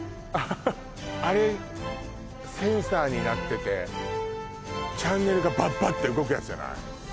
あれセンサーになっててチャンネルがバッバッて動くやつじゃない？